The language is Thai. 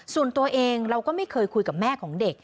ส่วนตัวเองเราก็ไม่เคยคุยกับแม่ของเด็ก